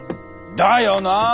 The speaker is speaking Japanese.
だよなァ！